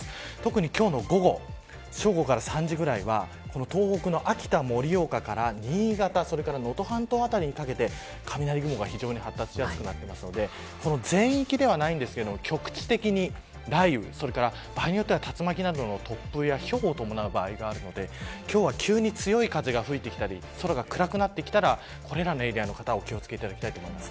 特に今日の午後正午から３時くらいは東北の秋田、盛岡から新潟、能登半島にかけて雷雲が発達しやすくなっているのでこの全域ではありませんが局地的に雷雨と竜巻などの突風やひょうを伴う場合があるので急に強い風が吹いたり空が暗くなってきたらこれらのエリアの方は気を付けてください。